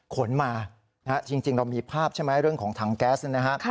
ขนมาจริงเรามีภาพใช่ไหมเรื่องของถังแก๊สนะฮะ